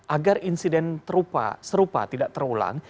agar insiden serupa tidak terulang